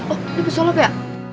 oh ini bersolok ya